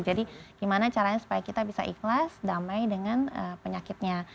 jadi gimana caranya supaya kita bisa ikhlas damai dengan penyakitnya